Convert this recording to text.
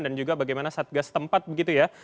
dan juga bagaimana satgas tempat begitu ya